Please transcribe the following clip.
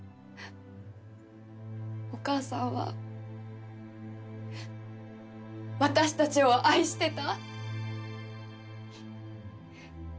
お母さんは私たちを愛してた？